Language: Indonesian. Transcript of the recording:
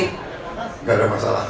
tidak ada masalah